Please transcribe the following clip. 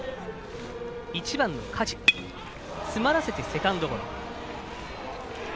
１番の梶詰まらせてセカンドゴロ。